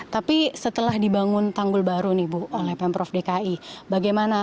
tapi setelah dibangun tanggul baru nih bu oleh pemprov dki bagaimana